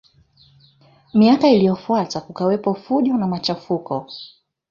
Miaka iliyofuata kukawepo fujo na machafuko